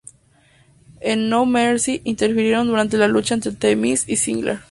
En No Mercy, interfirieron durante la lucha entre The Miz y Ziggler.